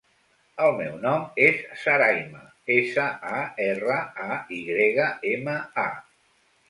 El meu nom és Sarayma: essa, a, erra, a, i grega, ema, a.